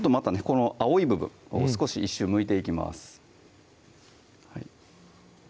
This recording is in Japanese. この青い部分を少し１周むいていきます